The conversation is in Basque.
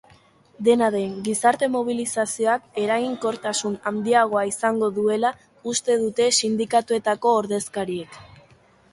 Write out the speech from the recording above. Dena den, gizarte mobilizazioak eraginkortasun handiagoa izango duela uste dute sindikatuetako ordezkariek.